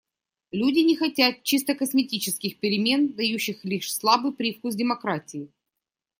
Люди не хотят чисто косметических перемен, дающих лишь слабый привкус демократии.